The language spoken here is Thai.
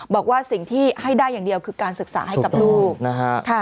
บอกว่าสิ่งที่ให้ได้อย่างเดียวคือการศึกษาให้กับลูกนะฮะ